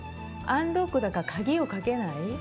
アンロックだから鍵をかけない。